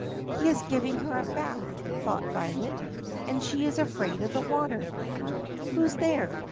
"He is giving her a bath," thought Violet, "and she is afraid of the water." "Who's there?"